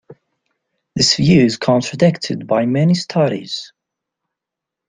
This view is contradicted by many studies.